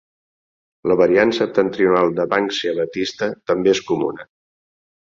La variant septentrional de "Banksia vetista" també és comuna.